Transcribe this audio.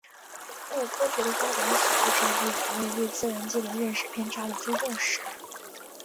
故科学的发展史就是一部人类对自然界的认识偏差的纠正史。